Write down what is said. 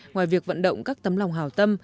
ngoài việc vận động các tấm lòng hào tâm